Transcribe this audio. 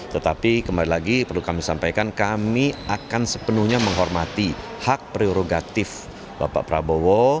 tetapi kembali lagi perlu kami sampaikan kami akan sepenuhnya menghormati hak prerogatif bapak prabowo